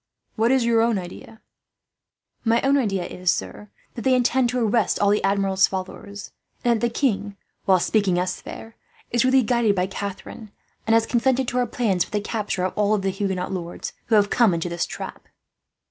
What is your own idea?" "My own idea is, sir, that they intend to arrest all the Admiral's followers; and that the king, while speaking us fair, is really guided by Catharine, and has consented to her plans for the capture of all the Huguenot lords who have come into this trap."